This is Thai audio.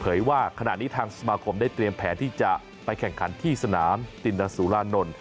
ว่าขณะนี้ทางสมาคมได้เตรียมแผนที่จะไปแข่งขันที่สนามตินสุรานนท์